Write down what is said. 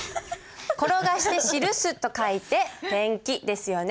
「転がして記す」と書いて転記ですよね。